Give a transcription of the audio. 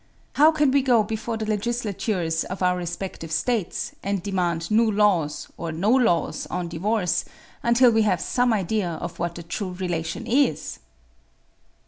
How can we go before the legislatures of our respective States and demand new laws, or no laws, on divorce, until we have some idea of what the true relation is?